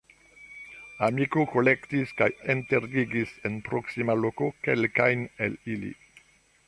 Amiko kolektis kaj enterigis en proksima loko kelkajn el ili.